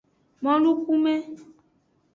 Molukume.